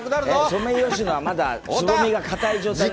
ソメイヨシノはまだつぼみが固い状態です。